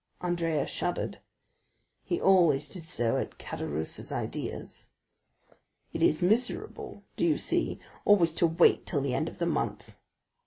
Andrea shuddered; he always did so at Caderousse's ideas. "It is miserable—do you see?—always to wait till the end of the month."